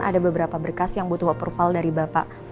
ada beberapa berkas yang butuh approval dari bapak